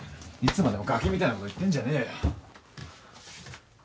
いつまでもがきみたいなこと言ってんじゃねえよ。